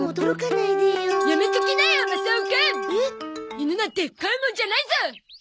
犬なんて飼うもんじゃないゾ！